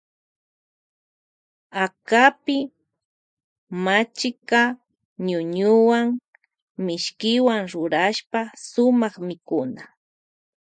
Akapi machka ñuñuwa mishkiwan rurashpa suma mikuna.